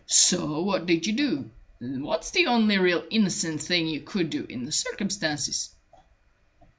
So what did you do? What's the only really innocent thing you could do in the circumstances?"